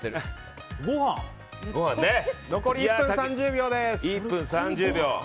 残り１分３０秒です。